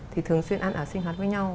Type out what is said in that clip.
thì thường xuyên ăn ở sinh hoạt với nhau